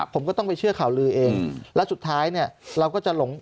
ผมก็ต้องไปเชื่อข่าวลือเองแล้วสุดท้ายเนี่ยเราก็จะหลง